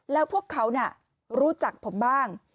แล้วพวกเขาน่ะรู้จักผมบ้าง